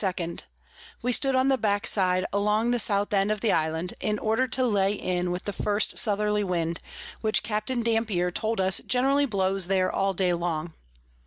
2._ We stood on the back side along the South end of the Island, in order to lay in with the first Southerly Wind, which Capt. Dampier told us generally blows there all day long.